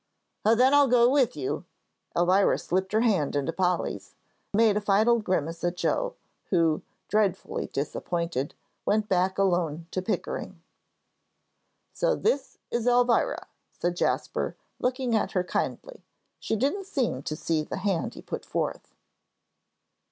"Oh, then I'll go with you." Elvira slipped her hand into Polly's, made a final grimace at Joel, who, dreadfully disappointed, went back alone to Pickering. "So this is Elvira," said Jasper, looking at her kindly. She didn't seem to see the hand he put forth.